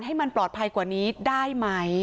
ให้มันปลอดภัยกว่านี้ได้ไหม